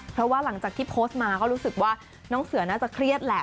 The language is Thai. เพราะว่าหลังจากที่โพสต์มาก็รู้สึกว่าน้องเสือน่าจะเครียดแหละ